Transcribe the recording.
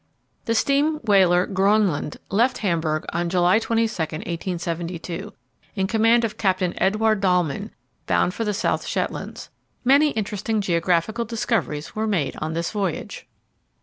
The steam whaler Grönland left Hamburg on July 22, 1872, in command of Captain Eduard Dallmann, bound for the South Shetlands. Many interesting geographical discoveries were made on this voyage.